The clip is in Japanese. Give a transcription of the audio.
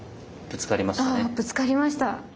ぶつかりました！